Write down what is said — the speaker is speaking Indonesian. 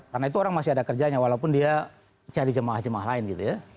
karena itu orang masih ada kerjanya walaupun dia cari jemaah jemaah lain gitu ya